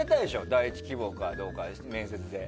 第１希望かどうか、面接で。